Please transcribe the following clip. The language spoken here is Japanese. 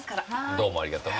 どうもありがとう。